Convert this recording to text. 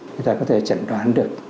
người ta có thể chẩn đoán được